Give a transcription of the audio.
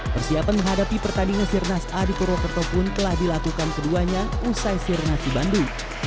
persiapan menghadapi pertandingan sirnas a di purwokerto pun telah dilakukan keduanya usai sirnas di bandung